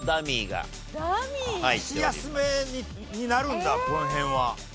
箸休めになるんだここら辺は。